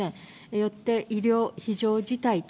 よって、医療非常事態と。